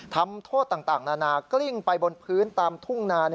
ทำโทษต่างนานากลิ้งไปบนพื้นตามทุ่งนา